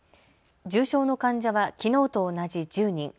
重症の患者はきのうと同じ１０人。